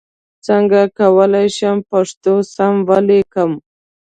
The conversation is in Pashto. څنګه کولای شم پښتو سم ولیکم ؟